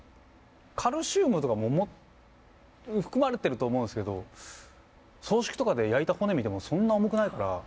カルシウムとかも含まれてると思うんですけど葬式とかで焼いた骨見てもそんな重くないから。